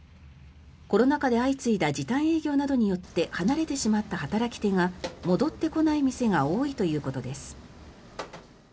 コロナ禍で相次いだ時短営業などによって離れてしまった働き手が戻ってこない店が多いということです。